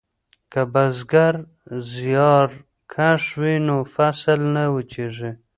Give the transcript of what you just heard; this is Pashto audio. که بزګر زیارکښ وي نو فصل نه وچیږي.